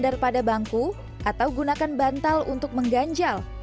bahwa kegiatan kebelakangan atau tindakan besar mesir akan lebih tinggi karena kehidupan dan kalau